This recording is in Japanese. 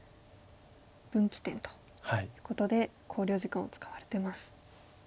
分岐点ということで考慮時間を使われてます。